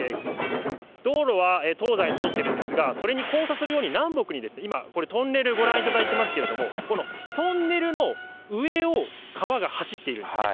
道路は東西に通ってるんですが、それに交差するように南北に、今、トンネル、ご覧いただいてますけれども、このトンネルの上を川が走っているんですね。